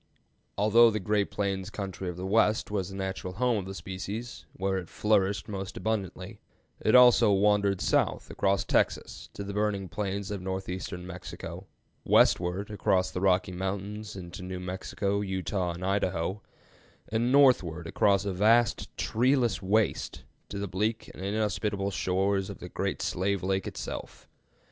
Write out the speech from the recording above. Although the great plains country of the West was the natural home of the species, where it flourished most abundantly, it also wandered south across Texas to the burning plains of northeastern Mexico, westward across the Rocky Mountains into New Mexico, Utah, and Idaho, and northward across a vast treeless waste to the bleak and inhospitable shores of the Great Slave Lake itself.